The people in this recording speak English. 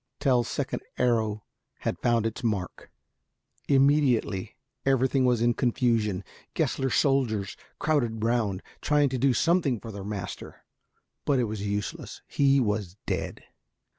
Tell's second arrow had found its mark. Immediately everything was in confusion. Gessler's soldiers crowded round, trying to do something for their master. But it was useless. He was dead.